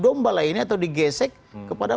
domba lainnya atau digesek kepada